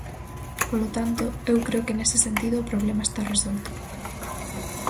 Polo tanto, eu creo que nese sentido o problema está resolto.